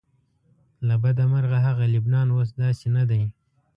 له بده مرغه هغه لبنان اوس داسې نه دی.